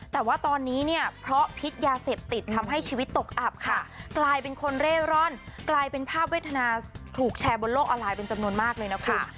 แต่ว่าตอนนี้เนี่ยเพราะพิษยาเสพติดทำให้ชีวิตตกอับค่ะกลายเป็นคนเร่ร่อนกลายเป็นภาพเวทนาถูกแชร์บนโลกออนไลน์เป็นจำนวนมากเลยนะคุณ